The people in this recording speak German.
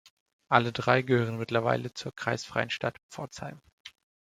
Alle drei gehören mittlerweile zur kreisfreien Stadt Pforzheim.